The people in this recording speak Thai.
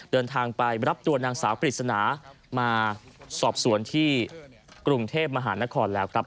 เดินทางไปรับตัวนางสาวปริศนามาสอบสวนที่กรุงเทพมหานครแล้วครับ